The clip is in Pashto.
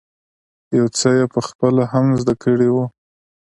يو څه یې په خپله هم زده کړی وو.